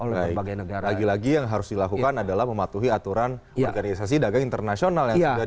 lagi lagi yang harus dilakukan adalah mematuhi aturan organisasi dagang internasional yang sudah